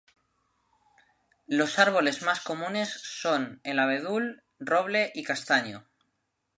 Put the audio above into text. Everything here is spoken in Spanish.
Los árboles más comunes son el abedul, roble y castaño.